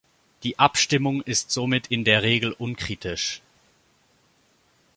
Die Abstimmung ist somit in der Regel unkritisch.